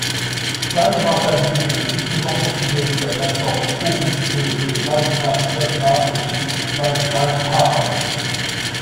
Vajrapāņi est le plus souvent considéré comme la forme courroucée de Vajrasattva ou Vajradhara.